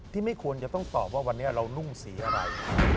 ไม่ควรจะต้องตอบว่าวันนี้เรานุ่งสีอะไร